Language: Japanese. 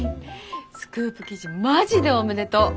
スクープ記事マジでおめでとう。